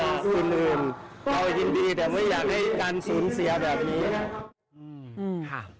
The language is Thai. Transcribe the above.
เราจริงแต่ไม่อยากให้การสูญเสียแบบนี้